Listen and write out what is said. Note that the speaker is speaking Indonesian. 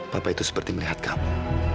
bapak itu seperti melihat kamu